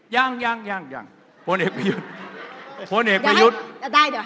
ยังยังยังผลเอกประยุทธ์